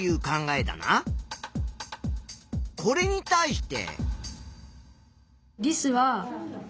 これに対して。